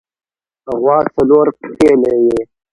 غوا څلور پښې لري.